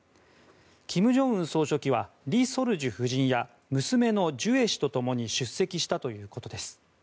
金正恩総書記は、李雪主夫人や娘のジュエ氏とともに出席したということです。